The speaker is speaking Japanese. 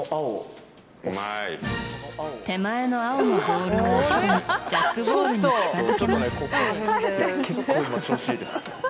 手前の青のボールを押し込みジャックボールに近づけます。